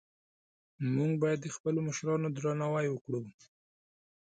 موږ باید د خپلو مشرانو درناوی وکړو